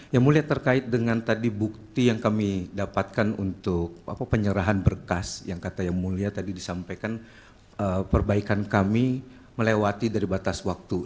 yang mulia terkait dengan tadi bukti yang kami dapatkan untuk penyerahan berkas yang kata yang mulia tadi disampaikan perbaikan kami melewati dari batas waktu